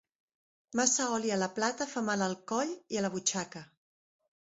Massa oli a la plata fa mal al coll i a la butxaca.